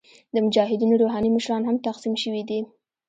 د مجاهدینو روحاني مشران هم تقسیم شوي دي.